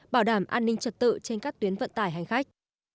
bảo đảm an ninh trật tự trên các tuyến vận tải hành khách